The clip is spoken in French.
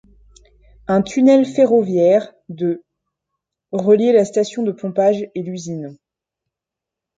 Un tunnel ferroviaire de reliait la station de pompage et l'usine.